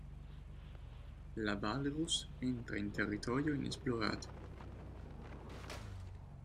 La Walrus entra in territorio inesplorato.